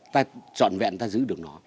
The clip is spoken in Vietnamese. ta trọn vẹn ta giữ được nó